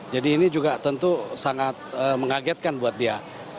jadi ini juga tentu sangat mengagetkan buat dia